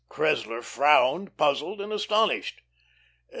Cressler frowned, puzzled and astonished.